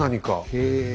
へえ。